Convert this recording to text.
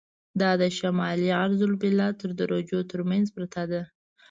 دا د شمالي عرض البلد تر درجو تر منځ پرته ده.